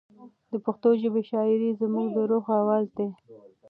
د پښتو ژبې شاعري زموږ د روح اواز دی.